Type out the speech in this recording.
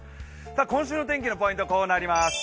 今週の天気のポイントはこうなります。